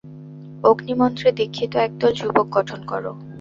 অগ্নিমন্ত্রে দীক্ষিত একদল যুবক গঠন কর।